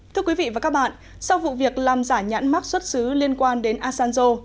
thưa quý vị và các bạn sau vụ việc làm giả nhãn mắc xuất xứ liên quan đến asanzo